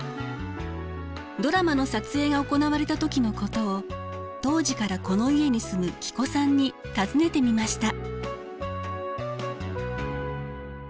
ドラマの撮影が行われた時のことを当時からこの家に住む喜古さんに尋ねてみました。